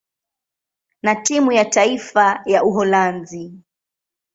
na timu ya taifa ya Uholanzi.